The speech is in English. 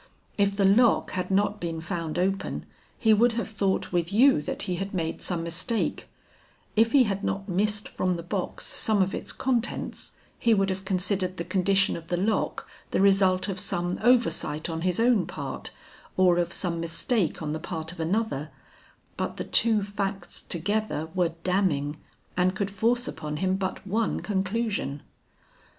If the lock had not been found open he would have thought with you that he had made some mistake; if he had not missed from the box some of its contents, he would have considered the condition of the lock the result of some oversight on his own part or of some mistake on the part of another, but the two facts together were damning and could force upon him but one conclusion.